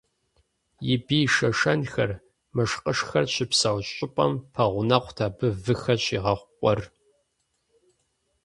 И бий шэшэнхэр, мышкъышхэр щыпсэу щӏыпӏэм пэгъунэгъут абы выхэр щигъэхъу къуэр.